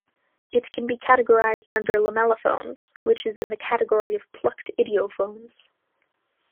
It can be categorized under lamellophones, which is in the category of plucked idiophones.